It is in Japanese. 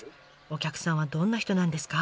お客さんはどんな人なんですか？